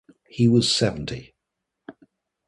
He was seventy.